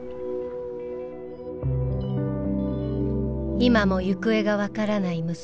今も行方が分からない娘。